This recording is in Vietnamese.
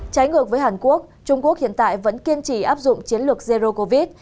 trái ngược với hàn quốc trung quốc hiện tại vẫn kiên trì áp dụng chiến lược zero covid